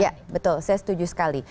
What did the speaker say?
ya betul saya setuju sekali